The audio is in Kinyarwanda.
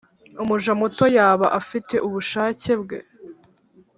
umuja muto yaba afite ubushake bwe,